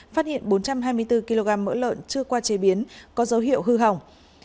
phát hiện bốn trăm hai mươi bốn kg mỡ lợn chưa qua chế biến có dấu hiệu hư hỏng